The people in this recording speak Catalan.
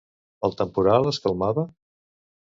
El temporal es calmava?